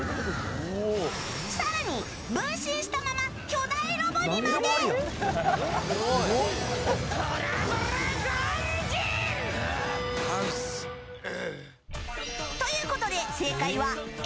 更に、分身したまま巨大ロボにまで！ということで、正解はＡ。